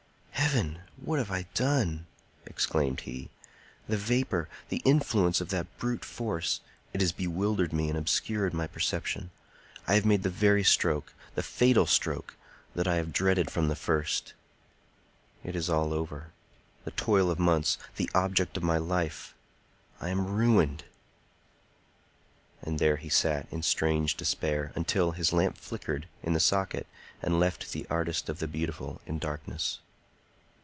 "Heaven! What have I done?" exclaimed he. "The vapor, the influence of that brute force,—it has bewildered me and obscured my perception. I have made the very stroke—the fatal stroke—that I have dreaded from the first. It is all over—the toil of months, the object of my life. I am ruined!" And there he sat, in strange despair, until his lamp flickered in the socket and left the Artist of the Beautiful in darkness.